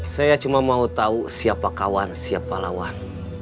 saya cuma mau tahu siapa kawan siapa lawan